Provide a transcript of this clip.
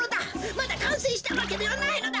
まだかんせいしたわけではないのだ！